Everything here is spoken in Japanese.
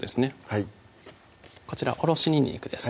はいこちらおろしにんにくです